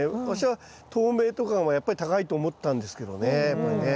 私は透明とかもやっぱり高いと思ったんですけどね。